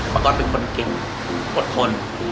ป๊าก๊อตเป็นคนกินอดทน